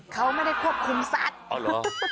เขาไม่ได้ควบคุมสัตว์อ๋อเหรอ